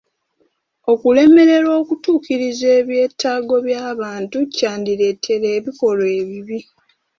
Okulemererwa okutuukiriza ebyetaago by'abantu kyandireeta ebikolwa ebibi.